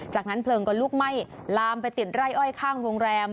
จากนั้นเพลิงก็ลุกไหม้ลามไปติดไร่อ้อยข้างโรงแรม